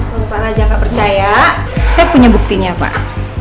kalau pak raja nggak percaya saya punya buktinya pak